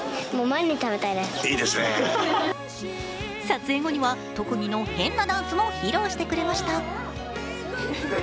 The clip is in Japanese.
撮影後には特技の変なダンスも披露してくれました。